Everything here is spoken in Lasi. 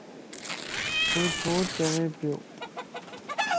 تو ڇو چوين پيو.